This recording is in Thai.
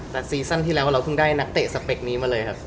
แต่ซีซั่นที่แล้วเราเพิ่งได้นักเตะสเปคนี้มาเลยครับ